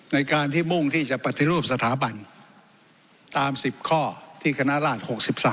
ในการที่มุ่งที่จะปฏิรูปสถาบันตาม๑๐ข้อที่คณะราช๖๓